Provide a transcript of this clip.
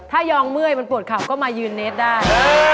ถ้ายองเมื่อยมันปวดเข่าก็มายืนเนสได้